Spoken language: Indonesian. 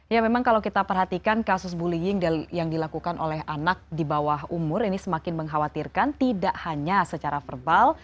ya memang kalau kita perhatikan kasus bullying yang dilakukan oleh anak di bawah umur ini semakin mengkhawatirkan tidak hanya secara verbal